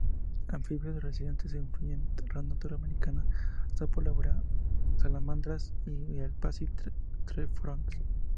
Anfibios residentes incluyen rana toro americana, sapo boreal, Salamandras y el Pacific tree frogs.